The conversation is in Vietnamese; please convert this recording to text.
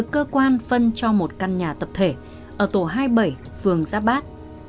cơ quan phân cho một căn nhà tập thể ở tổ hai mươi bảy phường giáp bát